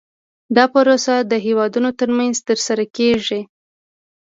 دا پروسه د هیوادونو ترمنځ ترسره کیږي